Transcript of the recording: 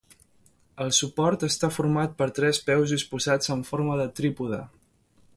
El suport està format per tres peus disposats en forma de trípode.